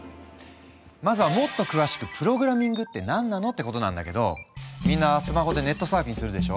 まずはもっと詳しく「プログラミングって何なの？」ってことなんだけどみんなスマホでネットサーフィンするでしょ？